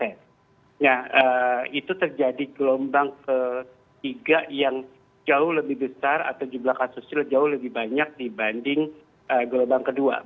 nah itu terjadi gelombang ketiga yang jauh lebih besar atau jumlah kasusnya jauh lebih banyak dibanding gelombang kedua